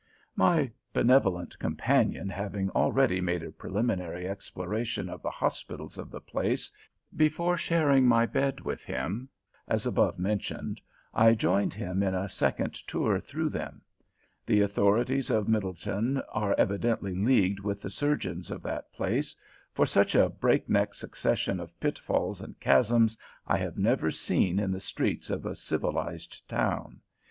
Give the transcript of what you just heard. My benevolent companion having already made a preliminary exploration of the hospitals of the place, before sharing my bed with him, as above mentioned, I joined him in a second tour through them. The authorities of Middletown are evidently leagued with the surgeons of that place, for such a break neck succession of pitfalls and chasms I have never seen in the streets of a civilized town.